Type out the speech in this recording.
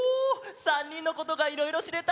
３にんのことがいろいろしれた！